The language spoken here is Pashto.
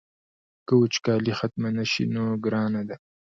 که وچکالي ختمه نه شي نو ګرانه ده.